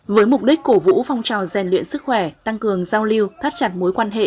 với mục đích cổ vũ phong trào rèn luyện sức khỏe tăng cường giao lưu thắt chặt mối quan hệ